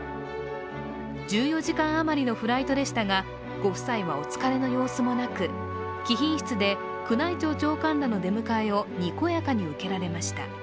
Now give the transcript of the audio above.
１４時間余りのフライトでしたがご夫妻はお疲れの様子もなく貴賓室で宮内庁長官らの出迎えをにこやかに受けられました。